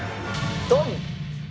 ドン！